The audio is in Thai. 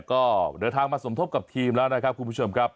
ก็เดินทางมาสมทบกับทีมแล้วนะครับคุณผู้ชมครับ